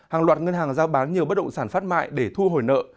hàng loạt ngân hàng giao bán nhiều bất động sản phát mại để thu hồi nợ